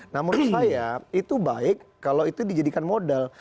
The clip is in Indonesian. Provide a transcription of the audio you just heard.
nah menurut saya itu baik kalau itu dijadikan modal